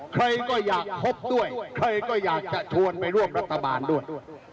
ใครก็อยากพบด้วยใครก็อยากจะชวนไปร่วมรัฐบาลด้วย